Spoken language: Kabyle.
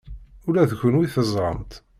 Ula d kenwi teẓram-tt.